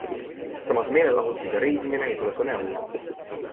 Samas meelelahutus ja reisimine ei tule kõne alla.